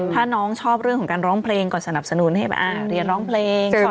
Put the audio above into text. ถ้าน้องชอบเรื่องของการร้องเพลงก็สนับสนุนให้เรียนร้องเพลง